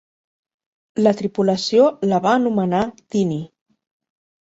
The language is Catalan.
La tripulació la va anomenar "Tiny".